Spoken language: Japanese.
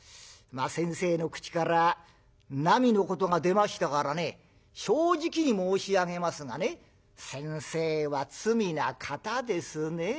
先生の口からなみのことが出ましたからね正直に申し上げますがね先生は罪な方ですね。